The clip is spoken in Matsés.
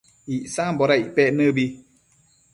Icsamboda icpec nëbi?